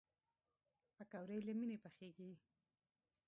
پکورې له مینې پخېږي